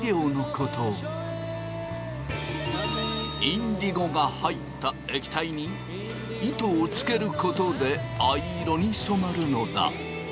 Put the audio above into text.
インディゴが入った液体に糸をつけることで藍色に染まるのだ。